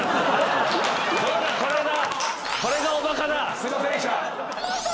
すいませんでした。